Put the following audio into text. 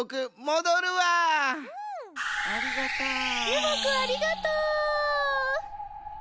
ＵＦＯくんありがとう！